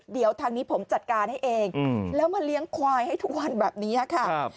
เดี๋ยวทางนี้ผมจัดการให้เองแล้วมาเลี้ยงควายให้ทุกวันแบบนี้ค่ะ